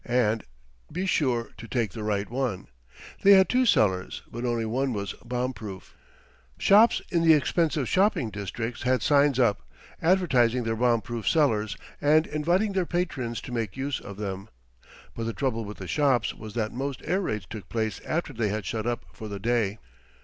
And be sure to take the right one. They had two cellars, but only one was bomb proof. Shops in the expensive shopping districts had signs up, advertising their bomb proof cellars and inviting their patrons to make use of them; but the trouble with the shops was that most air raids took place after they had shut up for the day.